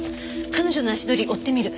彼女の足取り追ってみる。